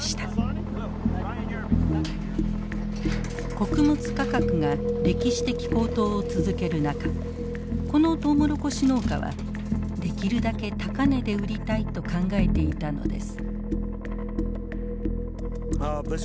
穀物価格が歴史的高騰を続ける中このトウモロコシ農家はできるだけ高値で売りたいと考えていたのです。